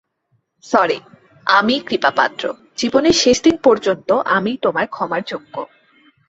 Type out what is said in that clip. Sorry, আমিই কৃপাপাত্র, জীবনের শেষদিন পর্যন্ত আমিই তোমার ক্ষমার যোগ্য।